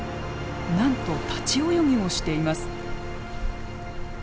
なんと立ち泳ぎをしています。